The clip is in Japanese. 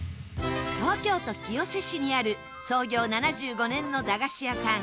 東京都清瀬市にある創業７５年の駄菓子屋さん